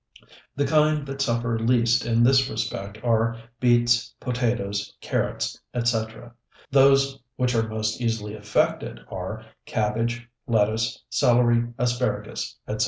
The kind that suffer least in this respect are beets, potatoes, carrots, etc. Those which are most easily affected are cabbage, lettuce, celery, asparagus, etc.